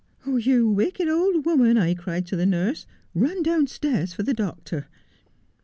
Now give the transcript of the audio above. " You wicked old woman," I cried to the nurse, " run down stairs for the doctor."